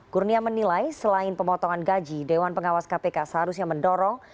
kurnia menilai selain pemotongan gaji dewan pengawas kpk seharusnya mendorong